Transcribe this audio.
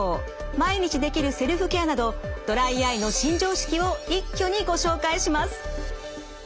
毎日できるセルフケアなどドライアイの新常識を一挙にご紹介します。